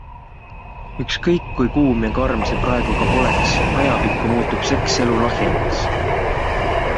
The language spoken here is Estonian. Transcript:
Ükskõik kui kuum ja karm see praegu ka poleks, ajapikku muutub sekselu lahjemaks.